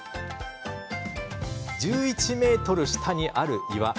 １１ｍ下にある岩。